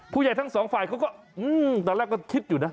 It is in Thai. ผู้ใหญ่ทั้งสองฝ่ายเขาก็ตอนแรกก็คิดอยู่นะ